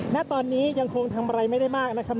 ณตอนนี้ยังคงทำอะไรไม่ได้มากนะครับ